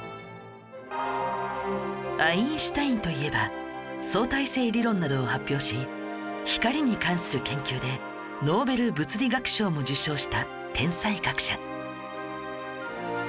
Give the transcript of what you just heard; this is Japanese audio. アインシュタインといえば相対性理論などを発表し光に関する研究でノーベル物理学賞も受賞した天才学者